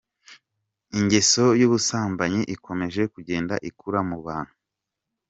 Ingeso y’ubusambanyi ikomeje kugenda ikura mu bantu.